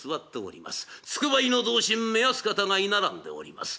つくばいの同心目安方が居並んでおります。